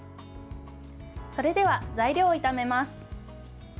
それでは材料を炒めます。